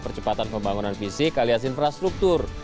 percepatan pembangunan fisik alias infrastruktur